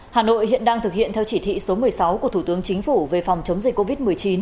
hà nội hiện đang thực hiện theo chỉ thị số một mươi sáu của thủ tướng chính phủ về phòng chống dịch covid một mươi chín